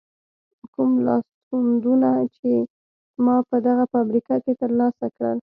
کوم لاسوندونه چې ما په دغه فابریکه کې تر لاسه کړل.